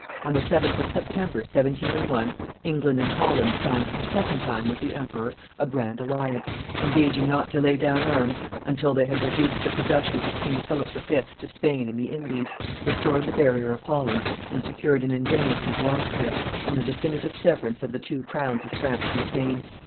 On the 7th of September, 1701, England and Holland signed for the second time with the emperor a Grand Alliance, engaging not to lay down arms until they had reduced the possessions of King Philip V. to Spain and the Indies, restored the barrier of Holland, and secured an indemnity to Austria, and the definitive severance of the two crowns of France and Spain.